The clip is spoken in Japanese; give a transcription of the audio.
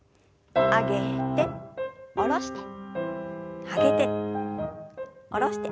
上げて下ろして上げて下ろして。